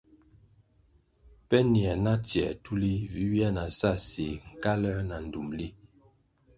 Pe nier na tsier tulih vi ywia na sa séh, nkaluer na ndtumli.